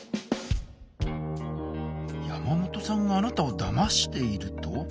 山本さんがあなたをだましていると？